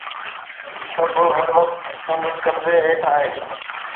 سڀ هر وقت سندس قبضي هيٺ آهن